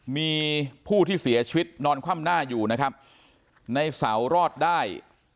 มีผู้ที่เสียชีวิตนอนคว่ำหน้าอยู่นะครับในเสารอดได้